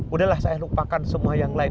udahlah saya lupakan semua yang lain